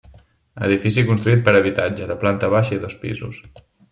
Edifici construït per a habitatge, de planta baixa i dos pisos.